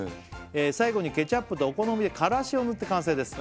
「最後にケチャップとお好みでからしを塗って完成です」